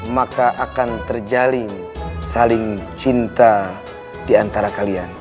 maka akan terjalin saling cinta di antara kalian